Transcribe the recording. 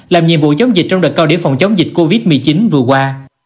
làm nhiệm vụ chống dịch trong đợt cao điểm phòng chống dịch covid một mươi chín vừa qua